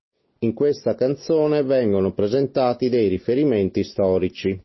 In questa canzone vengono presentati dei riferimenti storici.